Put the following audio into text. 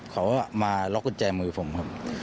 เขามาล็อกกุญแจมือผมครับ